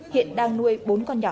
hiện đang nuôi bốn con nhỏ